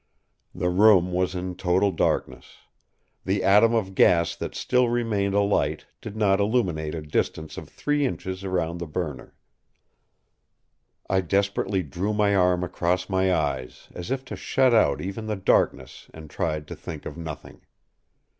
The room was in total darkness. The atom of gas that still remained alight did not illuminate a distance of three inches round the burner. I desperately drew my arm across my eyes, as if to shut out even the darkness and tried to think of nothing.